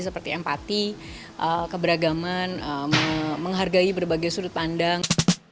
seperti empati keberagaman menghargai berbagai sudut pandang